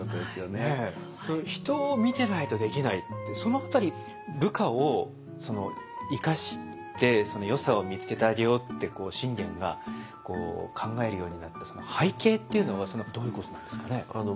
「人を見てないとできない」ってその辺り部下を生かしてよさを見つけてあげようってこう信玄が考えるようになったその背景っていうのはどういうことなんですかね？